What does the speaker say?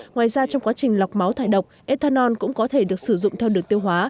ngoài ra trong quá trình lọc máu thải độc ethanol cũng có thể được sử dụng theo đường tiêu hóa